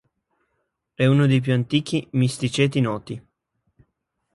È uno dei più antichi misticeti noti.